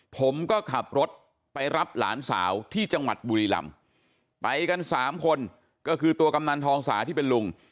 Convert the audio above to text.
ผมก็ขับรถไปรับหลานสาวที่จังหวัดบุรีรำไปกันสามคนก็คือตัวกำนันทองสาที่เป็นลุง